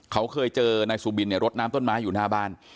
เขาเคยเจอนายสุบินเนี่ยรดน้ำต้นไม้อยู่หน้าบ้าน